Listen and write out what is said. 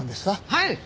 はい。